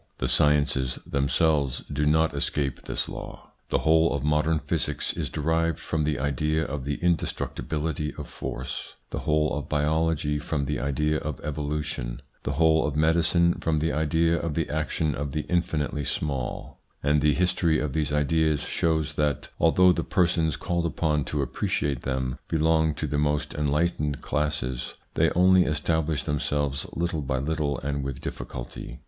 The sciences themselves do not escape this law. The whole of modern physics is derived from the idea of the indestructibility of force, the whole of biology from the idea of evolution, the whole of medicine from the idea of the action of the infinitely small; and the history of these ideas shows that, although the persons called upon to appreciate them belong to the most enlightened classes, they only establish themselves little by little and with difficulty.